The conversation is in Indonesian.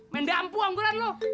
mendampu angguran lo